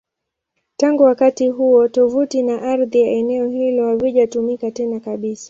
Tangu wakati huo, tovuti na ardhi ya eneo hilo havijatumika tena kabisa.